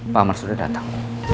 pak amar sudah datang